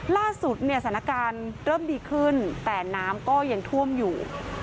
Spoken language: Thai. ล่าสุดเนี่ยสถานการณ์เริ่มดีขึ้นแต่น้ำก็ยังท่วมอยู่